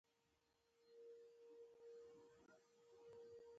نورو لرې د باغونو په ړنګو دیوالونو کې سا ونیوله.